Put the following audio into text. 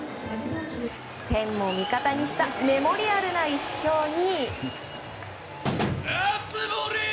点を味方にしたメモリアルな１勝に。